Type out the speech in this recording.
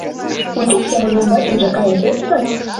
Утюг семын ӱмбачынже каен колтыза.